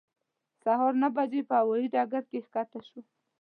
سهار نهه بجې په هوایې ډګر کې ښکته شوم.